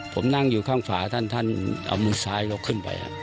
ผมนั่งอยู่ข้างฝาท่านท่านเอามือซ้ายยกขึ้นไป